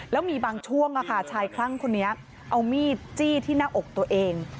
แล้วมีบางช่วงชายคลั่งคนนี้เอามีดจี้ที่หน้าอกตัวเอง